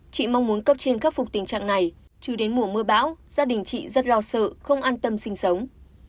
chị mong muốn cấp trên khắc phục tình trạng này trừ đến mùa mưa bão gia đình chị rất lo sợ không an tâm sinh sống